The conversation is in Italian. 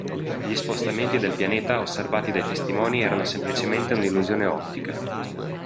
Gli spostamenti del pianeta osservati dai testimoni erano semplicemente un’illusione ottica.